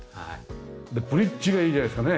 ブリッジがいいじゃないですかね。